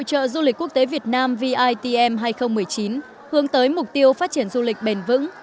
hội trợ du lịch quốc tế việt nam vitm hai nghìn một mươi chín hướng tới mục tiêu phát triển du lịch bền vững